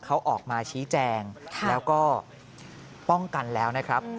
เขาออกมาชี้แจงแล้วก็ป้องกันแล้วนะครับ